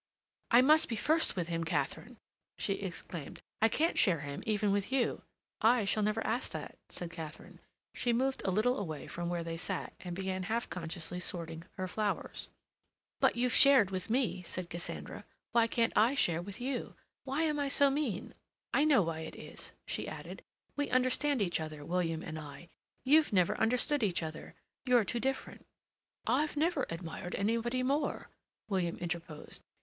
"I must be first with him, Katharine!" she exclaimed. "I can't share him even with you." "I shall never ask that," said Katharine. She moved a little away from where they sat and began half consciously sorting her flowers. "But you've shared with me," Cassandra said. "Why can't I share with you? Why am I so mean? I know why it is," she added. "We understand each other, William and I. You've never understood each other. You're too different." "I've never admired anybody more," William interposed.